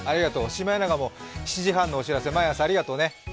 シマエナガも７時半のお知らせ、毎朝ありがとうね。